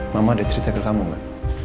mama ada cerita ke kamu nggak